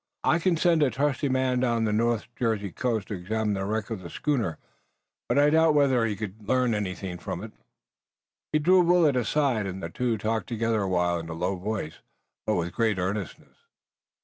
I can send a trusty man down the North Jersey coast to examine the wreck of the schooner, but I doubt whether he could learn anything from it." He drew Willet aside and the two talked together a while in a low voice, but with great earnestness.